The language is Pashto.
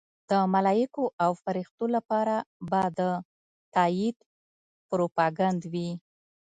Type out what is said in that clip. د ملایکو او فرښتو لخوا به د تایید پروپاګند وي.